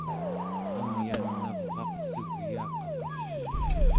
angyan navraqsugyaaqaqa